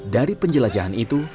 dari penjelajahan itu